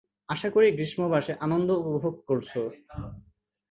আশাকরি গ্রীষ্মাবাসে আনন্দ উপভোগ করছ।